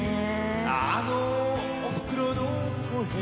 あのおふくろの声